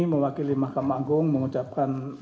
mewakili mahkamah agung mengucapkan